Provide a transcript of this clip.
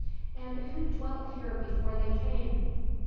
"And who dwelt here before they came?"